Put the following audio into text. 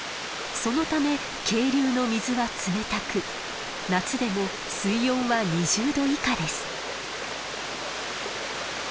そのため渓流の水は冷たく夏でも水温は２０度以下です。